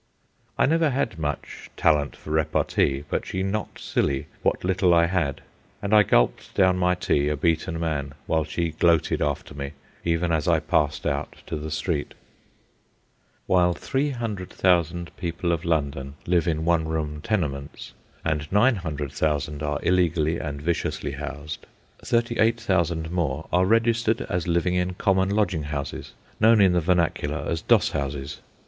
I never had much talent for repartee, but she knocked silly what little I had, and I gulped down my tea a beaten man, while she gloated after me even as I passed out to the street. While 300,000 people of London live in one room tenements, and 900,000 are illegally and viciously housed, 38,000 more are registered as living in common lodging houses—known in the vernacular as "doss houses."